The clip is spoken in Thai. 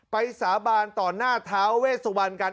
สาบานต่อหน้าท้าเวสวรรณกัน